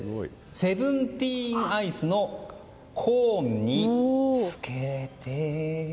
セブンティーンアイスのコーンにつけて。